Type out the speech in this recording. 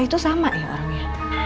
itu sama ya orangnya